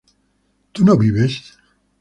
¿tú no vives?